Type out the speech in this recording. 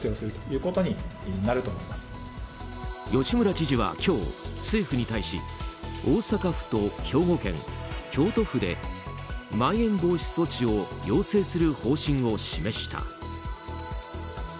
吉村知事は今日、政府に対し大阪府と兵庫県、京都府でまん延防止措置を要請する方針を示した。